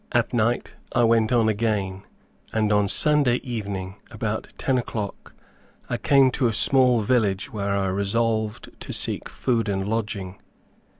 At night I went on again, and on Sunday evening about ten o'clock I came to a small village where I resolved to seek food and lodging.